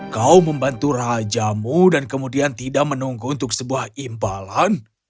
kau membantu rajamu dan kemudian tidak menunggu untuk sebuah imbalan